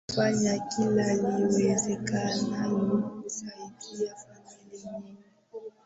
na kufanya kila liwezekanalo kusaidia familia nyingi